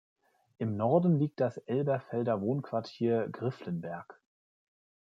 Im Norden liegt das Elberfelder Wohnquartier Grifflenberg.